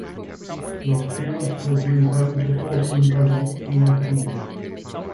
Los Pinos has been home to fourteen presidents and their families.